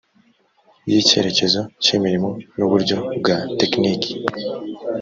y icyerekezo cy imirimo n uburyo bwa tekinike